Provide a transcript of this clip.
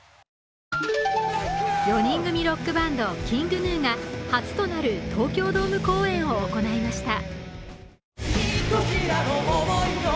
４人組ロックバンド・ＫｉｎｇＧｎｕが初となる東京ドーム公演を行いました。